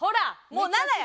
もう７や。